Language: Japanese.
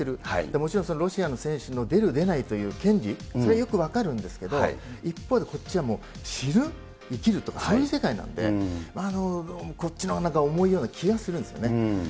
もちろん、ロシアの選手の出る出ないという権利、それはよく分かるんですけれども、一方で、こっちはもう死ぬ、生きるとか、そういう世界なので、こっちのが重いような気がするんですよね。